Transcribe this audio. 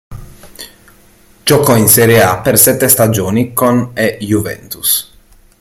Giocò in Serie A per sette stagioni con e Juventus.